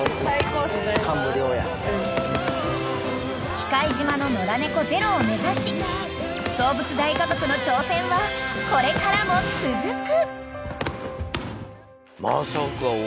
［喜界島の野良猫ゼロを目指しどうぶつ大家族の挑戦はこれからも続く］